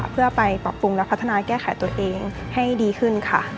เพื่อไปปรับปรุงและพัฒนาแก้ไขตัวเองให้ดีขึ้นค่ะ